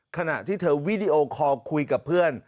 ขณะที่เธอวีดีโอคอลคุยกับเพื่อน